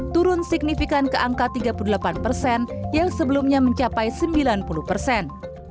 turun signifikan ke angka tiga puluh delapan persen yang sebelumnya mencapai sembilan puluh persen